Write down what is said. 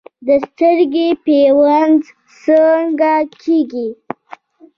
د سترګې پیوند څنګه کیږي؟